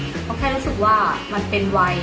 แต่เขาแค่รู้สึกว่ามันเป็นวัย